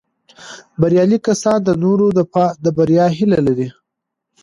بریالي کسان د نورو د بریا هیله لري